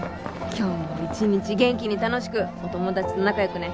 今日も一日元気に楽しくお友達と仲良くね。